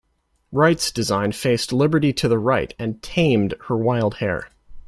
Wright's design faced Liberty to the right and "tamed" her wild hair.